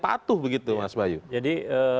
patuh begitu mas bayu jadi